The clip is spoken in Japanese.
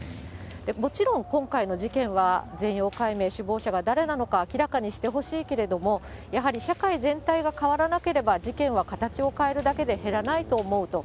もちろん、今回の事件は、全容解明、首謀者が誰なのか、明らかにしてほしいけれども、やはり社会全体が変わらなければ、事件は形を変えるだけで減らないと思うと。